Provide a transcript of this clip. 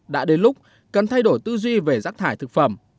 đã đến lúc cần thay đổi tư duy về rác thải thực phẩm